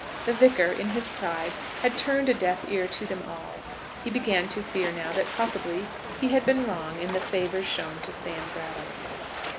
The Vicar, in his pride, had turned a deaf ear to them all. He began to fear now that possibly he had been wrong in the favours shown to Sam Brattle.